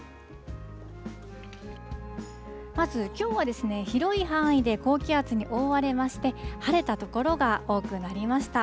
まずきょうはですね、広い範囲で高気圧に覆われまして、晴れた所が多くなりました。